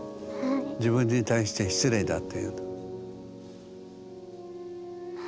自分に対して失礼だっていうの。